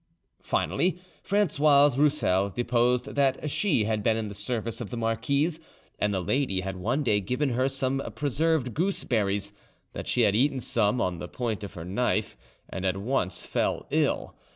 Finally, Francoise Roussel deposed that she had been in the service of the marquise, and the lady had one day given her some preserved gooseberries; that she had eaten some on the point of her knife, and at once felt ill.